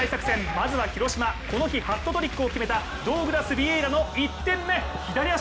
まずは広島、この日ハットトリックを決めたドウグラス・ヴィエイラの１点目、左足！